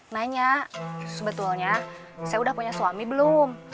nanya sebetulnya saya udah punya suami belum